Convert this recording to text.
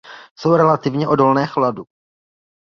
Jsou relativně odolné chladu.